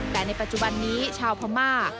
แต่ในปัจจุบันนี้ชาวพม่า